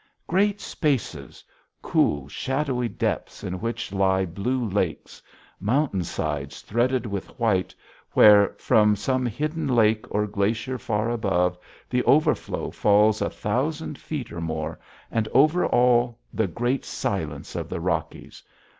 Great spaces; cool, shadowy depths in which lie blue lakes; mountain sides threaded with white, where, from some hidden lake or glacier far above, the overflow falls a thousand feet or more, and over all the great silence of the Rockies!